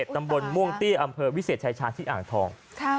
ตำบลม่วงเตี้ยอำเภอวิเศษชายชาญที่อ่างทอง